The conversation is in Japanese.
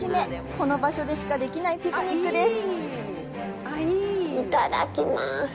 この場所しかできないピクニックです。